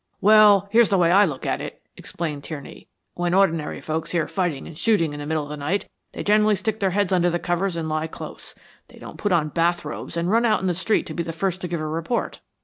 "Well, here's the way I look at it," explained Tierney. "When ordinary folks hear fighting and shooting in the middle of the night, they generally stick their heads under the covers and lie close. They don't put on bath robes and run out on the street to be the first to give a report.